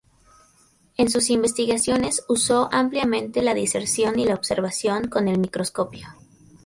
En sus investigaciones usó ampliamente la disección y la observación con el microscopio.